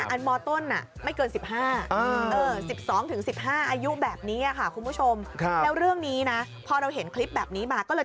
อันมต้นไม่เกิน๑๕๑๒๑๕อายุแบบนี้ค่ะคุณผู้ชมแล้วเรื่องนี้นะพอเราเห็นคลิปแบบนี้มาก็เลย